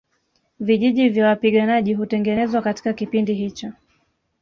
Vijiji vya wapiganaji hutengenezwa katika kipindi hicho